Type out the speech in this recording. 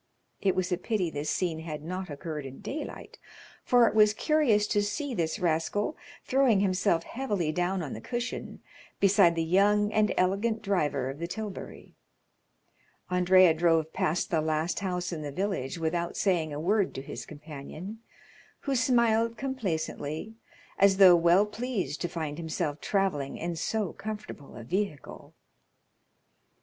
It was a pity this scene had not occurred in daylight, for it was curious to see this rascal throwing himself heavily down on the cushion beside the young and elegant driver of the tilbury. Andrea drove past the last house in the village without saying a word to his companion, who smiled complacently, as though well pleased to find himself travelling in so comfortable a vehicle.